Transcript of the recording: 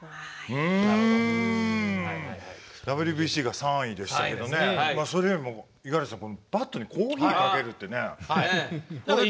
ＷＢＣが３位でしたけどそれよりも五十嵐さんバットにコーヒーをかけるってあるんですか？